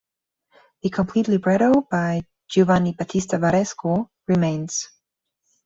The complete libretto by Giovanni Battista Varesco remains.